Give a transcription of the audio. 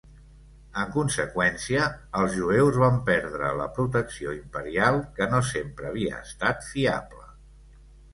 En conseqüència, els jueus van perdre la protecció imperial, que no sempre havia estat fiable.